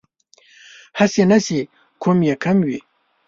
هسې نه چې کوم يې کم وي